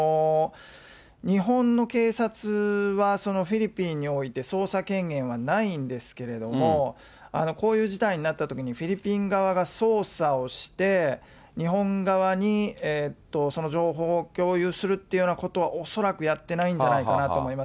日本の警察はフィリピンにおいて、捜査権限はないんですけれども、こういう事態になったときに、フィリピン側が捜査をして、日本側にその情報を共有するというようなことは、恐らくやってないんじゃないかなと思います。